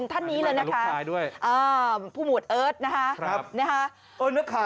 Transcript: ดูค่ะคุณผู้ชมท่านนี้ด้วยนะคะพุธหมวดเอิร์ทนะคะ